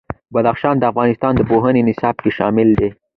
بدخشان د افغانستان د پوهنې نصاب کې شامل دي.